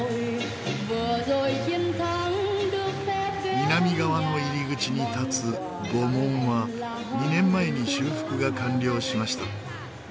南側の入り口に立つ午門は２年前に修復が完了しました。